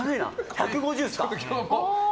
１５０ですかね。